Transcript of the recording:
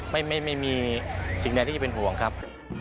ไม่มีสิ่งใดที่จะเป็นห่วงครับ